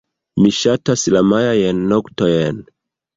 Mi ŝatas la majajn noktojn.